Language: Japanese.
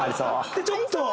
でちょっと。